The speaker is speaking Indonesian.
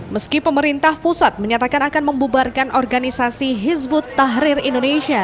meski pemerintah pusat menyatakan akan membubarkan organisasi hizbut tahrir indonesia